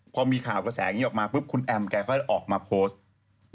พอมีข่าวกระแสนี้ออกมาปุ๊บคุณแอมแกก็ออกมาโพสต์